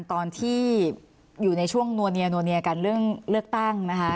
ตอนที่อยู่ในช่วงนัวเนียนัวเนียกันเรื่องเลือกตั้งนะคะ